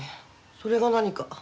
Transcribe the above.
それが何か？